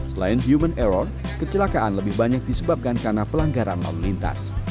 selain human error kecelakaan lebih banyak disebabkan karena pelanggaran lalu lintas